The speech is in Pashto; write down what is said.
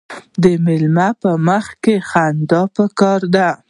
د میلمه په مخ کې خندل پکار دي.